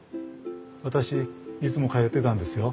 私いつも通ってたんですよ。